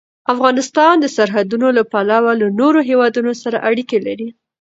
افغانستان د سرحدونه له پلوه له نورو هېوادونو سره اړیکې لري.